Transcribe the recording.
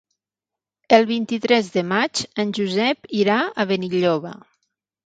El vint-i-tres de maig en Josep irà a Benilloba.